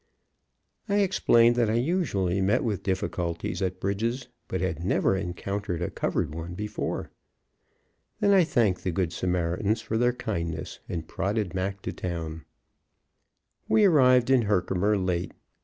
I explained that I usually met with difficulties at bridges, but had never encountered a covered one before. Then I thanked the good Samaritans for their kindness, and prodded Mac to town. We arrived in Herkimer late.